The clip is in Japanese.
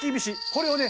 これをね